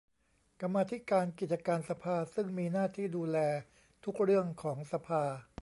กรรมาธิการกิจการสภาซึ่งมีหน้าที่ดูแลทุกเรื่องของสภา